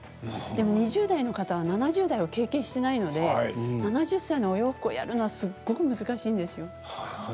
でも、２０代の方は７０代を経験していないので７０歳のお洋服をやるのはすごく難しいんですよ。